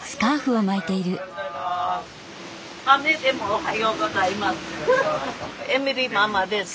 おはようございます。